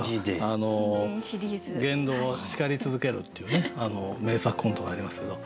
言動を叱り続けるっていうね名作コントがありますけど。